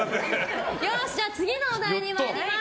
よし、じゃあ次のお題に参ります。